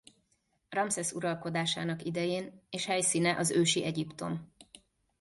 Ramszesz uralkodásának idején és helyszíne az ősi Egyiptom.